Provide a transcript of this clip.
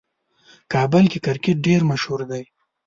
کابل کې کرکټ ډېر مشهور دی.